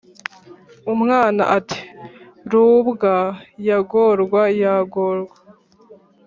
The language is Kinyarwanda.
” umwana ati “rubwa yagorwa yagorwa!